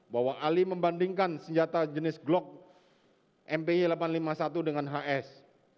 bahwa ali membandingkan senjata jenis glock mpy delapan ratus lima puluh satu dengan hs